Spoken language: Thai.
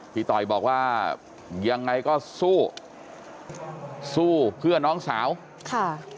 ต่อยบอกว่ายังไงก็สู้สู้เพื่อน้องสาวค่ะ